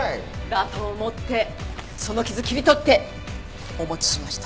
だと思ってその傷切り取ってお持ちしました。